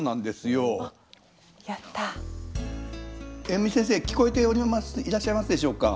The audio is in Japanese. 遠見先生聞こえていらっしゃいますでしょうか？